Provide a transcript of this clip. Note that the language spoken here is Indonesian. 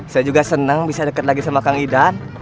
saya juga senang bisa deket lagi sama kang idan